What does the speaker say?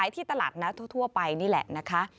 ที่ตลาดทั่วไปนี่แหละ